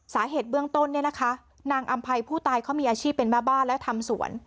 สาเหตุเบื้องต้นเนี่ยนะคะนางอำภัยผู้ตายเขามีอาชีพเป็นแม่บ้านและทำสวน